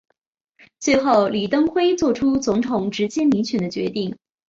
最后李登辉做出总统直接民选的决定。